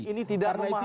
ini tidak memahami ilmu